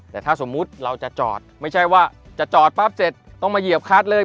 แต่ถ้าสมมุติเราจะจอดไม่ใช่ว่าจะจอดปั๊บเสร็จต้องมาเหยียบคัดเลย